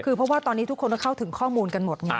คือเพราะว่าตอนนี้ทุกคนก็เข้าถึงข้อมูลกันหมดไง